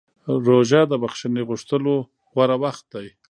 روژه د بښنې غوښتلو غوره وخت دی.